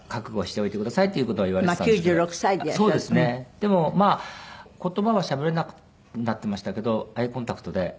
でもまあ言葉はしゃべれなくなってましたけどアイコンタクトで。